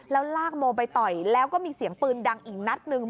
แล้วลากโมไปต่อยแล้วก็มีเสียงปืนดังอีกนัดหนึ่ง